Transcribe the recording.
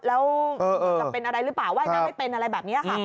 แล้วจะเป็นอะไรหรือเปล่าว่ายน้ำไม่เป็นอะไรแบบนี้ค่ะ